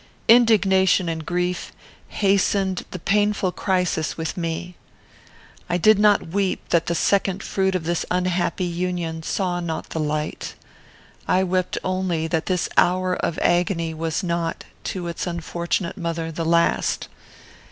"Indignation and grief hastened the painful crisis with me. I did not weep that the second fruit of this unhappy union saw not the light. I wept only that this hour of agony was not, to its unfortunate mother, the last.